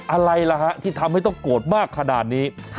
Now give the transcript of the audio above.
อะไรล่ะฮะที่ทำให้ต้องโกรธมากขนาดนี้